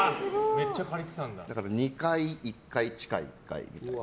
だから２階、１階地下１階みたいな。